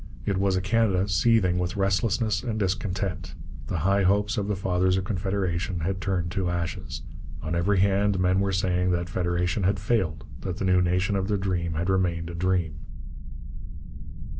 It was a Canada seething with restlessness and discontent. The high hopes of the Fathers of Confederation had turned to ashes. On every hand men were saying that federation had failed, that the new nation of their dream had remained a dream.